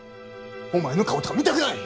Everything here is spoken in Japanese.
お前の顔とか見たくない！